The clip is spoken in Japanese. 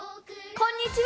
こんにちは！